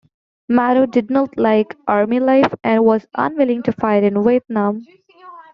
Marrow did not like Army life and was unwilling to fight in Vietnam.